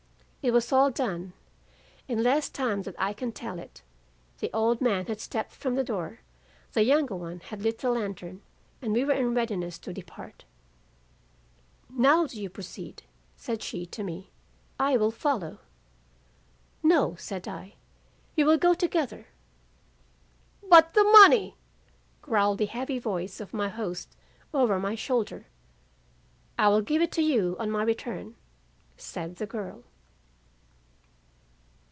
"It was all done. In less time than I can tell it, the old man had stepped from the door, the younger one had lit the lantern and we were in readiness to depart. "'Now do you proceed,' said she to me, 'I will follow.' "'No,' said I, 'we will go together.' "'But the money?' growled the heavy voice of my host over my shoulder. "'I will give it to you on my return,' said the girl."